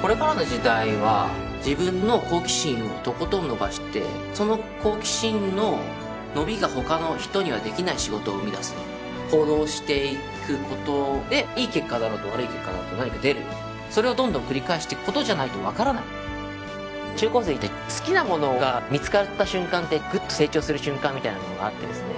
これからの時代は自分の好奇心をとことん伸ばしてその好奇心の伸びが他の人にはできない仕事を生み出す行動していくことでいい結果だろうと悪い結果だろうと何か出るそれをどんどん繰り返してくことじゃないと分からない中高生って好きなものが見つかった瞬間ってグッと成長する瞬間みたいなのがあってですね